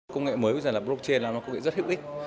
công nghệ mới bây giờ là blockchain là một công nghệ rất hữu ích